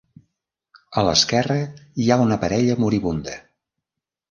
A l'esquerra hi ha una parella moribunda.